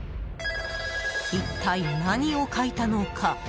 一体何を書いたのか？